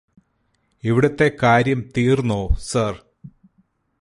ഇവിടത്തെ കാര്യം തീര്ന്നോ സര്